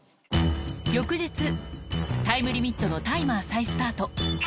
翌日、タイムリミットのタイマー再スタート。